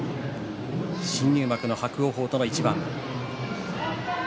新入幕の伯桜鵬との一番。